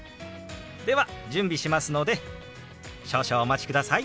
では準備しますので少々お待ちください。